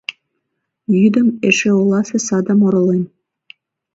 Йӱдым эше оласе садым оролем.